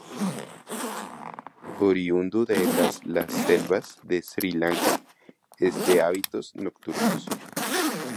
Oriundo de las las selvas de Sri Lanka, es de hábitos nocturnos.